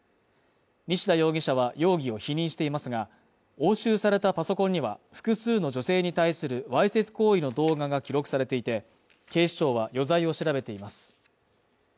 西田容疑者は容疑を否認していますが、押収されたパソコンには複数の女性に対するわいせつ行為の動画が記録されていて、警視庁は余罪を調べています。